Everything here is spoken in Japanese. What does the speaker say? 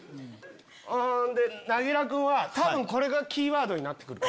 うんで柳楽君はたぶんこれがキーワードになってくるから。